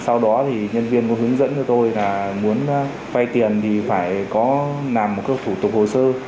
sau đó nhân viên hướng dẫn tôi là muốn vay tiền thì phải có làm một thủ tục hồ sơ